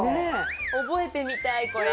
覚えてみたい、これ。